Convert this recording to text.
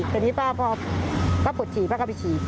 ตอนนี้ป้าพ่อพุธศรีป้ากับพี่ศรี